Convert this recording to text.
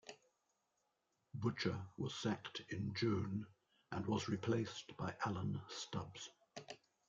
Butcher was sacked in June and was replaced by Alan Stubbs.